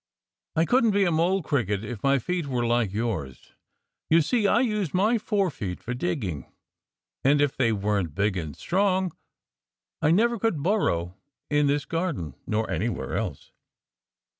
"I couldn't be a Mole Cricket if my feet were like yours. You see, I use my forefeet for digging. And if they weren't big and strong I never could burrow in this garden, nor anywhere else."